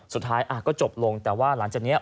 สุดท้ายก็จบลงแต่ว่าหลังจากนี้